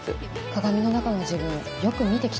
鏡の中の自分よく見てきた？